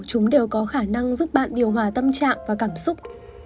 chúng đều có khả năng giúp bạn điều hòa tâm trạng và cảm xúc